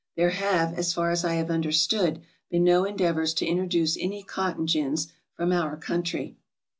There have, as far as I have understood, been no endeavors to introduce any cotton gins from our country.